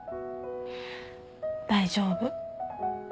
大丈夫。